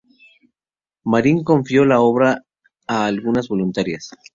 Marín confió la obra a algunas voluntarias.